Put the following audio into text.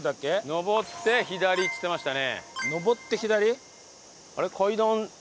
上って左っつってましたね。